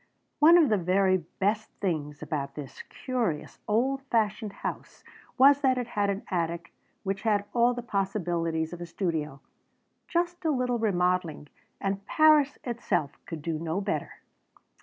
One of the very best things about this curious, old fashioned house was that it had an attic which had all the possibilities of a studio. Just a little remodeling and Paris itself could do no better.